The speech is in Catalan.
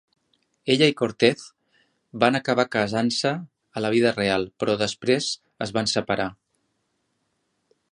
Ella i Cortez van acabar casant-se a la vida real, però després es van separar.